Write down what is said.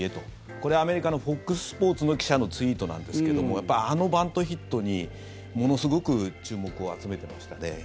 これはアメリカのＦＯＸスポーツの記者のツイートなんですけどもあのバントヒットにものすごく注目を集めてました。